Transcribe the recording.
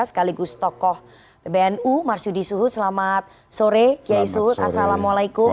sekaligus tokoh pbnu marsudi suhu selamat sore kiai suhud assalamualaikum